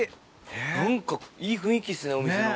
なんか、いい雰囲気っすね、お店も。